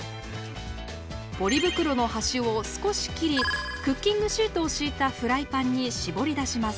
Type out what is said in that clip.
ポリ袋の端を少し切りクッキングシートを敷いたフライパンにしぼり出します。